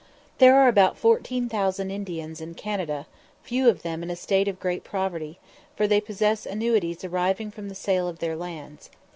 There are about fourteen thousand Indians in Canada, few of them in a state of great poverty, for they possess annuities arising from the sale of their lands.